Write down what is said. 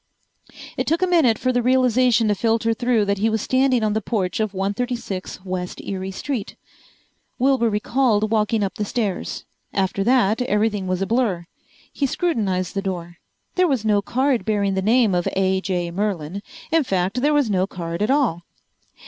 It took a minute for the realization to filter through that he was standing on the porch of 136 W. Erie Street. Wilbur recalled walking up the stairs. After that everything was a blur. He scrutinized the door. There was no card bearing the name of A. J. Merlin. In fact, there was no card at all!